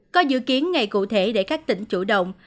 có dự kiến ngày cụ thể để các tỉnh chủ động